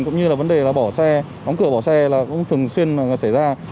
cũng như vấn đề đóng cửa bỏ xe thường xuyên xảy ra